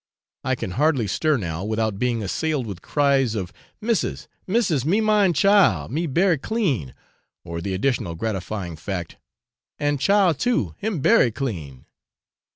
I can hardly stir now without being assailed with cries of 'Missis, missis me mind chile, me bery clean,' or the additional gratifying fact, 'and chile too, him bery clean.'